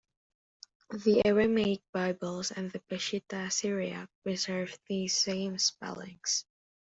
The Aramaic Bibles and the Peshitta Syriac preserve these same spellings.